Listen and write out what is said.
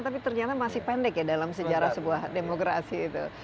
tapi ternyata masih pendek ya dalam sejarah sebuah demokrasi itu